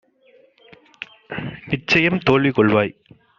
நிச்சயம் தோல்விகொள்வாய்!